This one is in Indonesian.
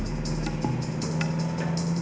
kamu mau jalan